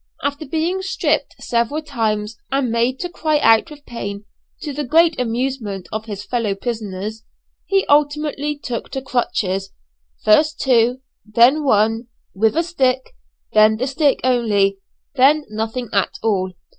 After being stripped several times, and made to cry out with pain, to the great amusement of his fellow prisoners, he ultimately took to crutches; first two, then one, with a stick; then the stick only; then nothing at all.